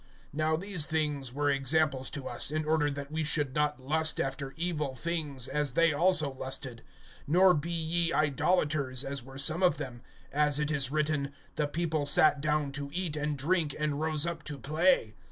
(6)Now these things were examples to us, in order that we should not lust after evil things, as they also lusted. (7)Nor be ye idolaters, as were some of them; as it is written: The people sat down to eat and drink, and rose up to play.